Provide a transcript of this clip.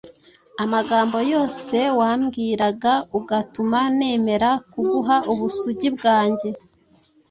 amagambo yose wambwiraga ugatuma nemera kuguha ubusugi bwange!